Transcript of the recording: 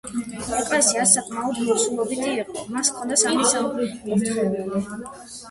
ეკლესიას საკმაოდ მოცულობითი იყო, მას ჰქონდა სამი საკურთხეველი.